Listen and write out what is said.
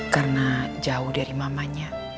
karena jauh dari mamanya